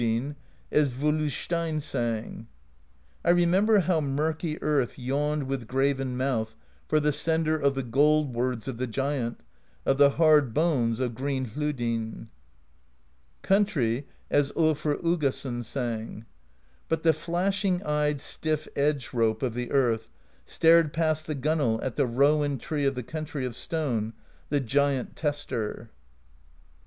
2o8 PROSE EDDA Hlodyn/ as Volu Steinn sang: I remember how murky earth yawned With graven mouth for the Sender Of the Gold Words of the Giant Of the hard bones of Green Hlodyn. Country, as tJlfr Uggason sang: But the flashing eyed stifF Edge Rope Of the Earth stared past the gunwale At the Rowan Tree of the Country Of Stone, the Giant Tester.